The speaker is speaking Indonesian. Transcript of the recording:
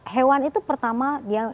hewan itu pertama